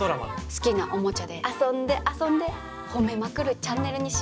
好きなおもちゃで遊んで遊んでほめまくるチャンネルにしようかと。